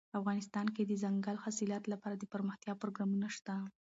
افغانستان کې د دځنګل حاصلات لپاره دپرمختیا پروګرامونه شته.